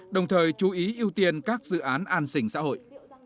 đồng thời chú ý ưu tiên các dự án an sinh xã hội